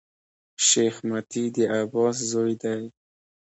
شېخ متي د عباس زوی دﺉ.